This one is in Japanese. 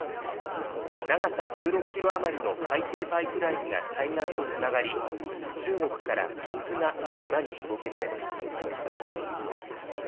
長さ１６キロ余りの海底パイプラインが対岸とつながり、中国から水が島に届けられます。